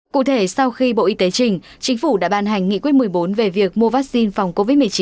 cụ thể sau khi bộ y tế trình chính phủ đã ban hành nghị quyết một mươi bốn về việc mua vaccine phòng covid một mươi chín